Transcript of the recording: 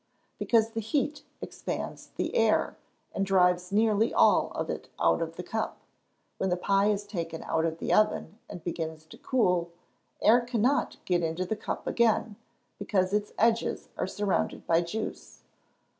_ Because the heat expands the air, and drives nearly all of it out of the cup. When the pie is taken out of the oven, and begins to cool, air cannot get into the cup again, because its edges are surrounded by juice.